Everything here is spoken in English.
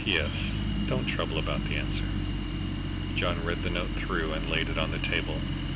"P.S. Don't trouble about the answer." John read the note through and laid it on the table.